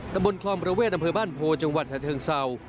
ตำบลคลองประเวทอำเภอบ้านโพจังหวัดฉะเชิงเศร้า